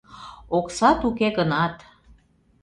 Оксат уке гынат...